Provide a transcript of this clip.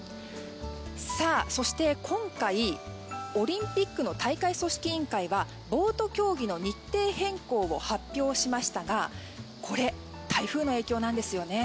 そして今回、オリンピックの大会組織委員会はボート競技の日程変更を発表しましたがこれ、台風の影響なんですよね。